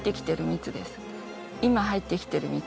今入ってきてる蜜。